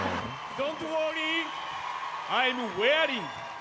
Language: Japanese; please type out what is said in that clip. ドント・ウォーリー、アイム・ウェアリング。